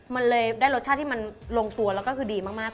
มันเลยได้รสชาติที่มันลงตัวแล้วก็คือดีมาก